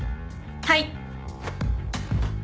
はい。